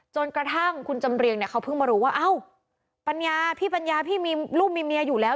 จนกระทั่งคุณจำเรียงเนี่ยเขาเพิ่งมารู้ว่าเอ้าปัญญาพี่ปัญญาพี่มีลูกมีเมียอยู่แล้ว